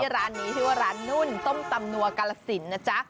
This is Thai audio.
ร้านนี้ชื่อว่าร้านนุ่นต้มตำนัวกาลสินนะจ๊ะ